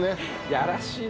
やらしいな。